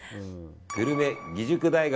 グルメ義塾大学。